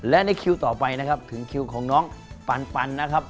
และในคิวต่อไปนะครับถึงคิวของน้องปันนะครับ